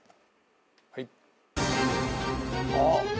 はい。